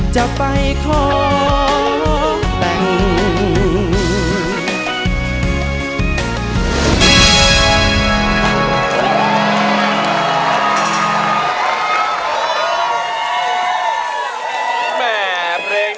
จะไปขอแต่ง